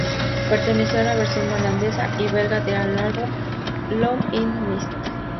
Perteneció a la versión neerlandesa y belga del álbum "Love in a Mist".